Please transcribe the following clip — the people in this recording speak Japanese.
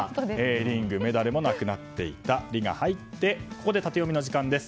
リングもメダルもなくなったの「リ」が入ってタテヨミの時間です。